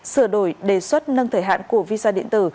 sửa đổi đề xuất nâng thời hạn của visa điện tử